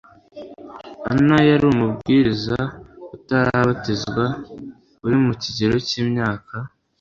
anna yari umubwiriza utarabatizwa uri mu kigero cy imyaka